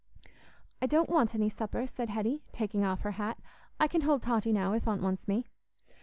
"I don't want any supper," said Hetty, taking off her hat. "I can hold Totty now, if Aunt wants me."